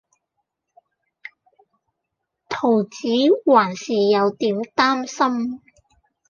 桃子還是有點擔心